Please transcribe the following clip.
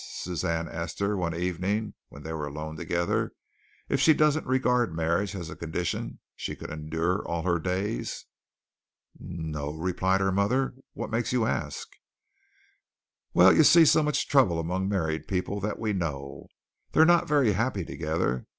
Suzanne asked her one evening when they were alone together, "if she doesn't regard marriage as a condition she could endure all her days?" "No o," replied her mother. "What makes you ask?" "Well, you see so much trouble among married people that we know. They're not very happy together.